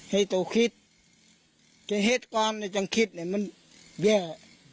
ให้โตคิดจะเห็ดกว่าในจังคิดเนี่ยมันแย่